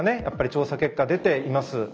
やっぱり調査結果出ています。